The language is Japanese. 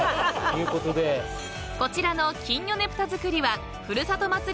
［こちらの金魚ねぷた作りはふるさと祭り